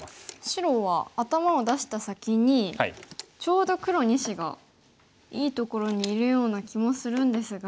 白は頭を出した先にちょうど黒２子がいいところにいるような気もするんですが。